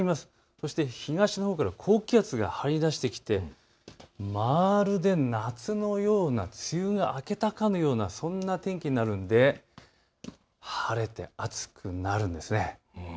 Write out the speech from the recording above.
そして東のほうから高気圧が張り出してきてまるで夏のような、梅雨が明けたかのような、そんな天気になるので晴れて暑くなるんです。